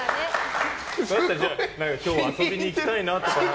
だって、何か今日遊びに行きたいなとか。